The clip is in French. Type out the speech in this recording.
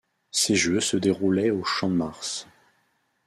Ces jeux se déroulaient au Champ de Mars.